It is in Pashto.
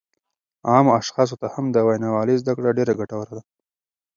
عامو اشخاصو ته هم د وینا والۍ زده کړه ډېره ګټوره ده